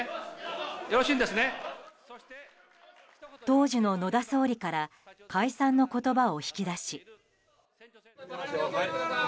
当時の野田総理から解散の言葉を引き出し。